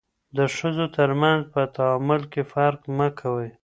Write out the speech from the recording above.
د ښځو ترمنځ په تعامل کې فرق مه کوئ.